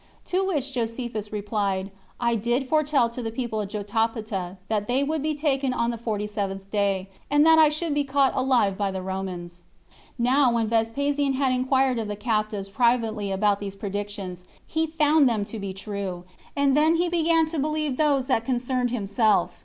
To which Josephus replied, "I did foretell to the people of Jotapata that they would be taken on the forty seventh day, and that I should be caught alive by the Romans." Now when Vespasian had inquired of the captives privately about these predictions, he found them to be true, and then he began to believe those that concerned himself.